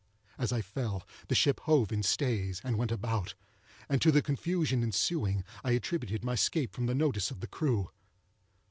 As I fell, the ship hove in stays, and went about; and to the confusion ensuing I attributed my escape from the notice of the crew.